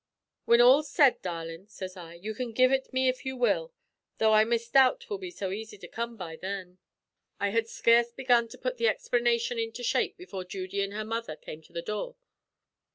"'Whin all's said, darlin',' sez I, 'you can give ut me if you will, tho' I misdoubt 'twill be so easy to come by thin.' "I had scarce begun to put the explanation into shape before Judy an' her mother came to the door.